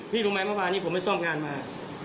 พี่รู้ไหมว่าวันนี้ผมไปซ่อมงานมา